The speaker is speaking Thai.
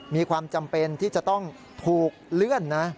มีความจำเป็นที่จะต้องถูกเลื่อนนะ